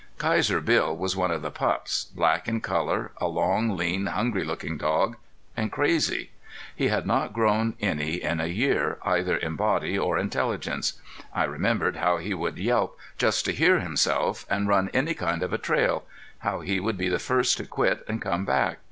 Kaiser Bill was one of the pups, black in color, a long, lean, hungry looking dog, and crazy. He had not grown any in a year, either in body or intelligence. I remembered how he would yelp just to hear himself and run any kind of a trail how he would be the first to quit and come back.